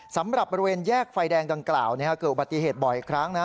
สำหรับบริเวณแยกไฟแดงดังกล่าวเกิดอุบัติเหตุบ่อยครั้งนะ